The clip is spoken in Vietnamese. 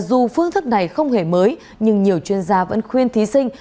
dù phương thức này không hề mới nhưng nhiều chuyên gia vẫn khuyên thí sinh